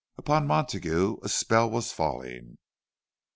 Upon Montague a spell was falling.